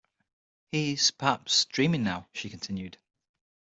‘He’s, perhaps, dreaming now,’ she continued.